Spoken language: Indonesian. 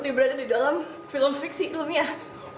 saya seperti berada di dalam film fiksi ilmiah